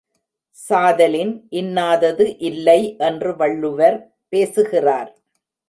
சாதலின் இன்னாதது இல்லை என்று வள்ளுவர் பேசுகிறார்.